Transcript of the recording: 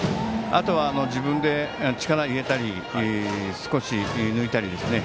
あとは自分で力を入れたり少し抜いたりですね。